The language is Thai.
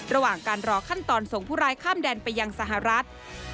ระหว่างการรอขั้นตอนส่งผู้ร้ายข้ามแดนไปยังสหรัฐ